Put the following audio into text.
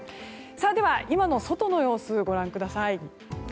では、今の外の様子をご覧ください。